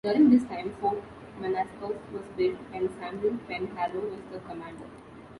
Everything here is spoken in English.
During this time Fort Menaskoux was built and Samuel Penhallow was the commander.